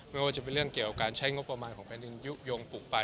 ไม่ว่าจะเป็นเรื่องเกี่ยวกับการใช้งบประมาณของแผ่นดินยุโยงปลูกปั่น